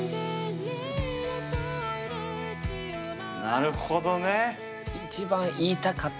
なるほどね。